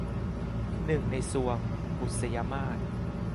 หนึ่งในทรวง - บุษยมาส